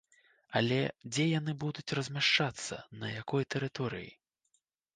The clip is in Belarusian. Але, дзе яны будуць размяшчацца, на якой тэрыторыі?